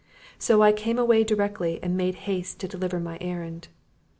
So I came away directly, and made haste to deliver my errand."